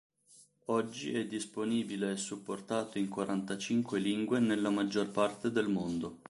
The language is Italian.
Oggi è disponibile e supportato in quarantacinque lingue nella maggior parte del mondo.